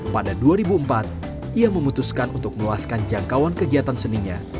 pada dua ribu empat ia memutuskan untuk meluaskan jangkauan kegiatan seninya